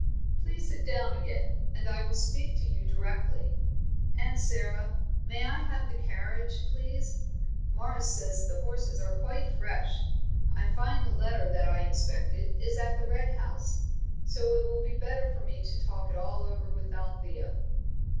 "Please sit down again, and I will speak to you directly. Aunt Sara, may I have the carriage, please. Morris says the horses are quite fresh. I find the letter that I expected is at the Red House, so it will be better for me to talk it all over with Althea."